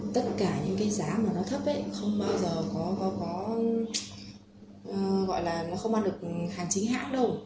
tất cả những cái giá mà nó thấp ấy không bao giờ có gọi là nó không ăn được hàng chính hãng đâu